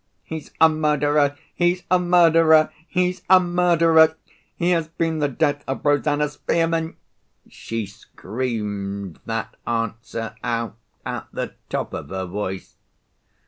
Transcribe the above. "He's a murderer! he's a murderer! he's a murderer! He has been the death of Rosanna Spearman!" She screamed that answer out at the top of her voice.